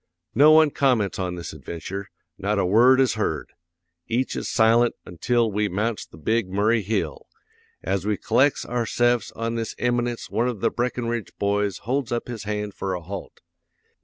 "'No one comments on this adventure, not a word is heard. Each is silent ontil we mounts the Big Murray hill. As we collects ourse'fs on this eminence one of the Brackenridge boys holds up his hand for a halt.